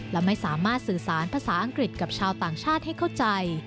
และไม่สามารถสื่อสารภาษาอังกฤษกับชาวต่างชาติให้เข้าใจ